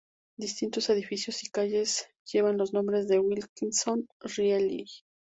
Distintos edificios y calles llevan los nombres de Wilkinson y Riley.